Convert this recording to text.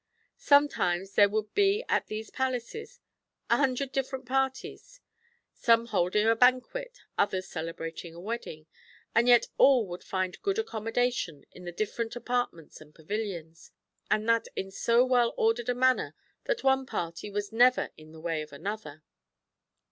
[Sometimes there would be at these palaces an hundred different parties ; some holding a banquet, others celebrating a wedding ; and yet all would find good accommodation in the different apartments and pavilions, and that in so well ordered a manner that one party was never in the way of another.'